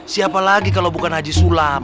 siapa lagi kalau bukan haji sulap